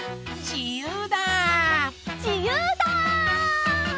じゆうだ！